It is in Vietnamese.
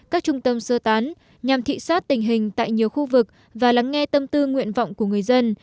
các trung tâm sơ tán nhằm thị sát tình hình tại nhiều khu vực và lắng nghe tâm tư nguyện vọng của người dân